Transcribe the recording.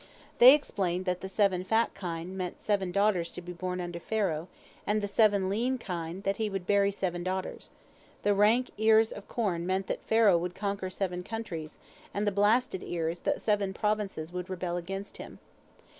They explained that the seven fat kine meant seven daughters to be born unto Pharaoh, and the seven lean kine, that he would bury seven daughters; the rank ears of corn meant that Pharaoh would conquer seven countries, and the blasted ears, that seven provinces would rebel against him.